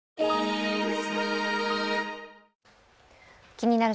「気になる！